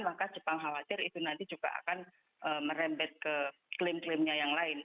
maka jepang khawatir itu nanti juga akan merembet ke klaim klaimnya yang lain